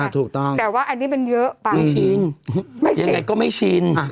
ถูกต้องไม่ชินยังไงก็ไม่ชินแต่ว่าอันนี้มันเยอะไป